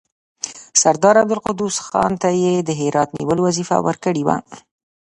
سردار عبدالقدوس خان ته یې د هرات نیولو وظیفه ورکړې وه.